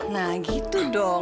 nah gitu dong